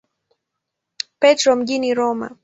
Petro mjini Roma.